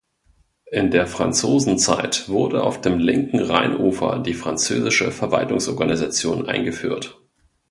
In der Franzosenzeit wurde auf dem Linken Rheinufer die französische Verwaltungsorganisation eingeführt.